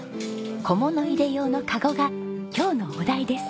小物入れ用のかごが今日のお題です。